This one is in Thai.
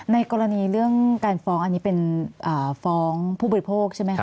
ในกรณีเรื่องการฟ้องอันนี้เป็นฟ้องผู้บริโภคใช่ไหมคะ